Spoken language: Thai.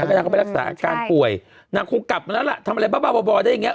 แล้วก็นางก็ไปรักษาอาการป่วยนางคงกลับมาแล้วล่ะทำอะไรบ้าบ่อได้อย่างเงี้